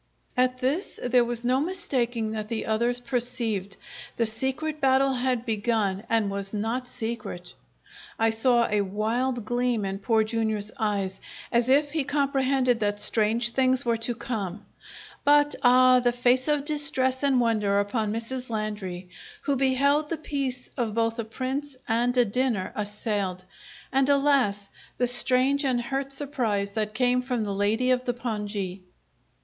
At this there was no mistaking that the others perceived. The secret battle had begun and was not secret. I saw a wild gleam in Poor Jr.'s eyes, as if he comprehended that strange things were to come; but, ah, the face of distress and wonder upon Mrs. Landry, who beheld the peace of both a Prince and a dinner assailed; and, alas! the strange and hurt surprise that came from the lady of the pongee!